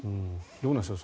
どうなんでしょう。